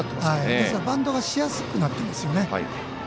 バントがしやすくなってますよね。